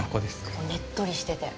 ねっとりしてて。